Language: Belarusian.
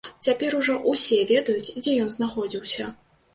Цяпер ужо ўсе ведаюць, дзе ён знаходзіўся.